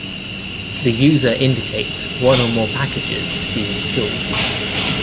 The user indicates one or more packages to be installed.